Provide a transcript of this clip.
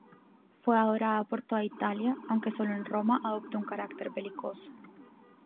Fue adorada por toda Italia, aunque solo en Roma adoptó un carácter belicoso.